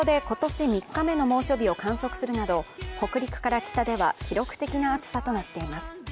札幌で今年３日目の猛暑日を観測するなど北陸から北では記録的な暑さとなっています。